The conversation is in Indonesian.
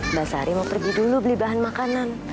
mbak sari mau pergi dulu beli bahan makanan